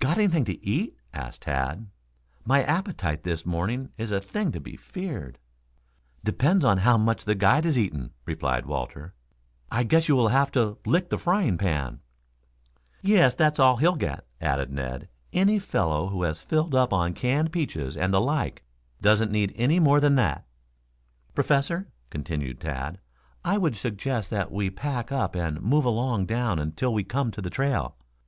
"Got anything to eat?" asked Tad. "My appetite this morning is a thing to be feared." "Depends upon how much the guide has eaten," replied Walter. "I guess you will have to lick the frying pan." "Yes, that's all he'll get," added Ned. "Any fellow who has filled up on canned peaches and the like doesn't need any more than that." "Professor," continued Tad, "I would suggest that we pack up and move along down until we come to the trail.